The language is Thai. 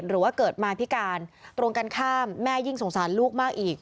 หรือว่าเกิดมาพิการตรงกันข้ามแม่ยิ่งสงสารลูกมากอีก